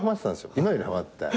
今よりはまって。